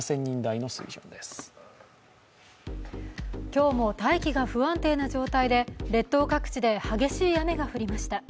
今日も大気が不安定な状態で列島各地で激しい雨が降りました。